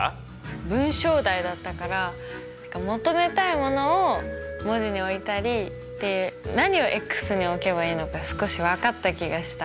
文章題だったから求めたいものを文字に置いたりって何をに置けばいいのか少し分かった気がした。